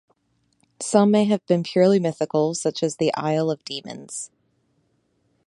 Some may have been purely mythical, such as the Isle of Demons.